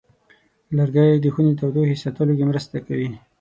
لرګی د خونې تودوخې ساتلو کې مرسته کوي.